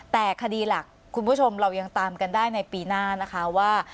แต่คดีหลักคุณผู้ชมเรายังตามกันได้ในปีหน้านะคะว่า